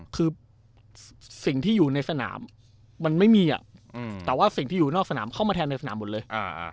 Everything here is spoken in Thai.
คือสิ่งที่อยู่ในสนามมันไม่มีแต่ว่าสิ่งที่อยู่นอกสนามเข้ามาแทนในสนามหมดเลย